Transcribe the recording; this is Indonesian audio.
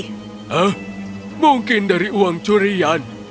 hah mungkin dari uang curian